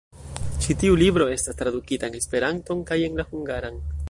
Ĉi tiu libro estas tradukita en Esperanton kaj en la hungaran.